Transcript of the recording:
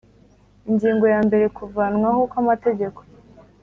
Ingingo ya mbere Kuvanwaho kwamategeko